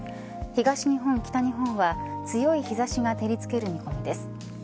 東日本、北日本は強い日差しが照りつける見込みです。